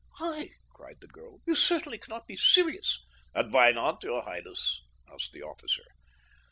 "I?" cried the girl. "You certainly cannot be serious." "And why not, your highness?" asked the officer.